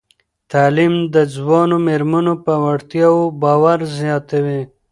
تعلیم د ځوانو میرمنو په وړتیاوو باور زیاتوي.